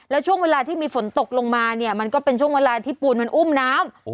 แล้วช่วงเวลาที่มีฝนตกลงมาเนี่ยมันก็เป็นช่วงเวลาที่ปูนมันอุ้มน้ำ